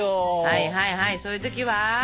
はいはいはいそういう時は？